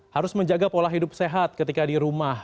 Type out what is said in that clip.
harus menjaga pola hidup sehat ketika di rumah